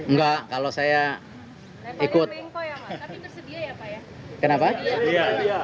mas kalau ada bercoran pak bus tengah itu harus berbocoran